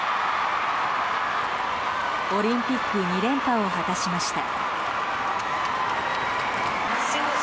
オリンピック２連覇を果たしました。